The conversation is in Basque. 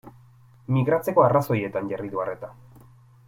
Migratzeko arrazoietan jarri du arreta.